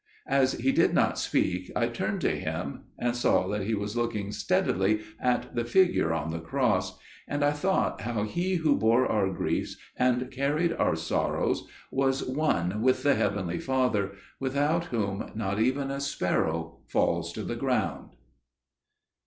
As he did not speak I turned to him, and saw that he was looking steadily at the Figure on the Cross; and I thought how He who bore our griefs and carried our sorrows was one with the heavenly Father, without whom not even a sparrow falls to the ground.